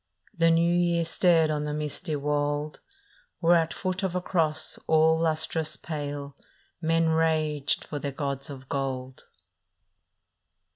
" The New Year stared on the misty wold, Where at foot of a cross all lustrous pale Men raged for their gods of gold.